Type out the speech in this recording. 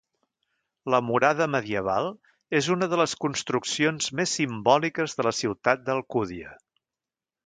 La murada medieval és una de les construccions més simbòliques de la ciutat d'Alcúdia.